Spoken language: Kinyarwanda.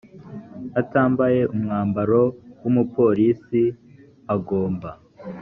atambaye umwambaro w umupolisi agomba